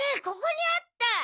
ここにあった！